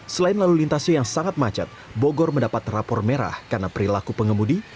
selain lalu lintasnya yang sangat macet bogor mendapat rapor merah karena perilaku pengemudi